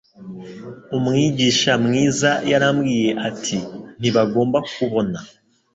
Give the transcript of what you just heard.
Umwigisha mwiza yarambwiye ati Ntibagomba kubona